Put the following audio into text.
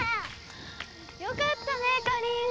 よかったねかりん。